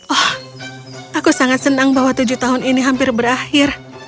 oh aku sangat senang bahwa tujuh tahun ini hampir berakhir